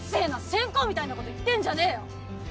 先公みたいなこと言ってんじゃねえよ。